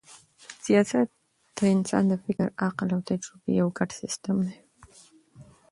سیاست د انسان د فکر، عقل او تجربې یو ګډ سیسټم دئ.